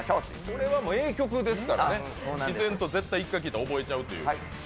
それは名曲ですから自然と１回聴いたら覚えちゃうという。